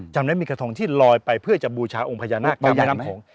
จำได้มีกระทงที่ลอยไปเพื่อจะบูชาองค์พญานาคในแม่น้ำโขง